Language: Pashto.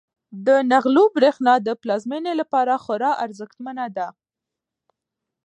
د نغلو برښنا د پلازمینې لپاره خورا ارزښتمنه ده.